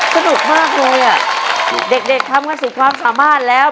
สนุกมากเลยอ่ะเด็กทำกันสุดความสามารถแล้ว